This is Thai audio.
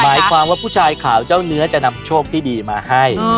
หมายความว่าผู้ชายขาวเจ้าเนื้อจะนำโชคที่ดีมาให้